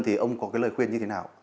thì ông có cái lời khuyên như thế nào